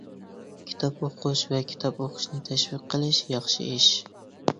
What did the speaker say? كىتاب ئوقۇش ۋە كىتاب ئوقۇشنى تەشۋىق قىلىش ياخشى ئىش.